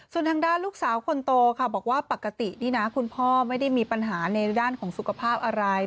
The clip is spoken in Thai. ส่วนทางด้านลูกสาวคนโตค่ะบอกว่าปกตินี่นะคุณพ่อไม่ได้มีปัญหาในด้านของสุขภาพอะไร